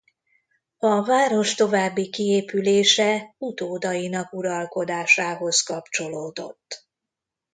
A város további kiépülése utódainak uralkodásához kapcsolódott.